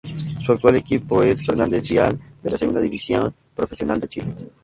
Su actual equipo es Fernández Vial de la Segunda División Profesional de Chile.